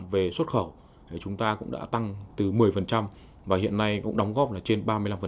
về xuất khẩu chúng ta cũng đã tăng từ một mươi và hiện nay cũng đóng góp là trên ba mươi năm